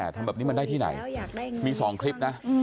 ทำแบบนี้มันได้ที่ไหนมี๒คลิปนะ